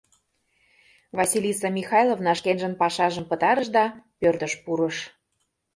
Василиса Михайловна шкенжын пашажым пытарыш да пӧртыш пурыш.